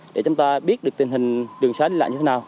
để chúng ta biết được tình hình đường xá đi lại như thế nào